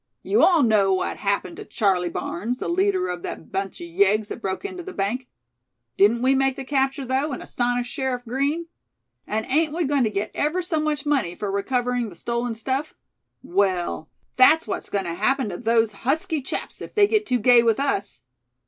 You all know what happened to Charley Barnes, the leader of that bunch of yeggs that broke into the bank. Didn't we make the capture though, and astonish Sheriff Green? And ain't we going to get ever so much money for recovering the stolen stuff? Well, that's what's going to happen to those husky chaps if they get too gay with us.